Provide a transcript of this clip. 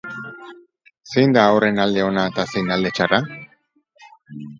Zein da horren alde ona eta zein alde txarra?